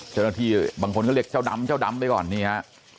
เจ้าหน้าที่บางคนก็เรียกเจ้าดำเจ้าดำไปก่อนนี่ฮะ